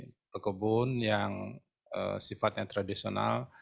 sebagaimana petani pekebun yang sifatnya tradisional